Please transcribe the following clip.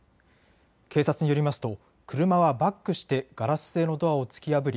警察によりますと車はバックしてガラス製のドアを突き破り